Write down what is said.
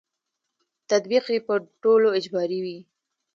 تطبیق یې په ټولو اجباري وي.